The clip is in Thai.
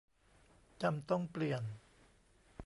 จำต้องเปลี่ยน